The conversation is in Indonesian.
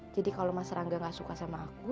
jadi kalo mas rangga gak suka sama aku